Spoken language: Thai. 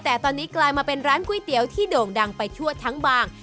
แต่ตอนนี้กลายมาเป็นร้านก๋วยเตี๋ยวที่โด่งดังไปทั่วทั้งบาง